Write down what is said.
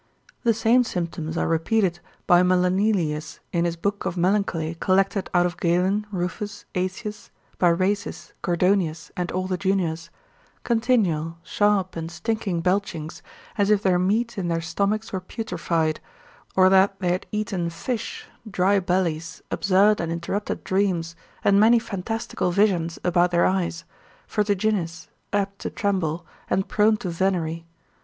The same symptoms are repeated by Melanelius in his book of melancholy collected out of Galen, Ruffus, Aetius, by Rhasis, Gordonius, and all the juniors, continual, sharp, and stinking belchings, as if their meat in their stomachs were putrefied, or that they had eaten fish, dry bellies, absurd and interrupt dreams, and many fantastical visions about their eyes, vertiginous, apt to tremble, and prone to venery.